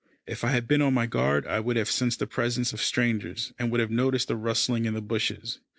If I had been on my guard, I would have sensed the presence of strangers, and would have noticed a rustling in the bushes.